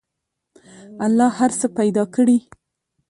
الله هر څه پیدا کړي.